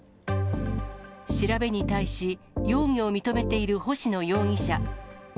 調べに対し、容疑を認めている星野容疑者。